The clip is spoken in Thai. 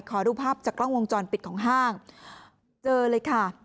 ขอดูภาพจากกล้องวงจรปิดของห้างเจอเลยค่ะ